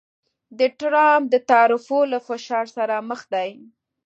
د ټرمپ د تعرفو له فشار سره مخ دی